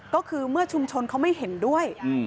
ก็คือเมื่อชุมชนเขาไม่เห็นด้วย